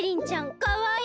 かわいい！